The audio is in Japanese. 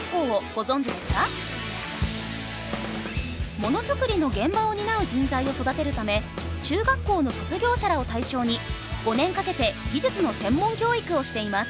物づくりの現場を担う人材を育てるため中学校の卒業者らを対象に５年かけて技術の専門教育をしています。